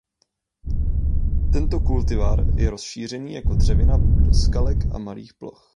Tento kultivar je rozšířený jako dřevina do skalek a malých ploch.